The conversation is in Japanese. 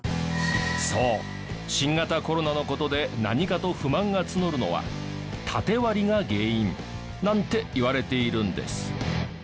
そう新型コロナの事で何かと不満が募るのはタテ割りが原因なんていわれているんです。